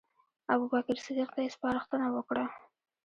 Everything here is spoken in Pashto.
ابوبکر صدیق ته یې سپارښتنه وکړه.